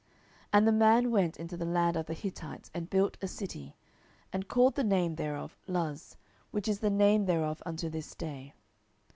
07:001:026 And the man went into the land of the Hittites, and built a city, and called the name thereof Luz: which is the name thereof unto this day.